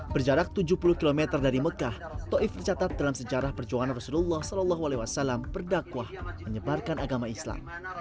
berjarak tujuh puluh km dari mekah to'if tercatat dalam sejarah perjuangan rasulullah saw berdakwah menyebarkan agama islam